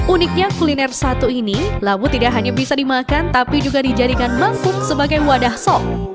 uniknya kuliner satu ini lamu tidak hanya bisa dimakan tapi juga dijadikan mangkuk sebagai wadah sop